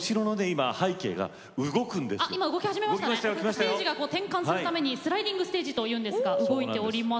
ステージが転換するためにスライディングステージというんですが動いております。